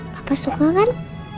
papa suka kan